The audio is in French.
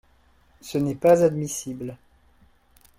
Ce n’est pas admissible.